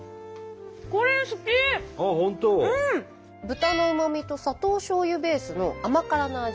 豚のうまみと砂糖しょうゆベースの甘辛な味。